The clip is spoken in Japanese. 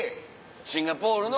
シンガポールの。